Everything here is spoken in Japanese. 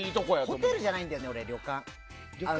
ホテルじゃないんだよね旅館。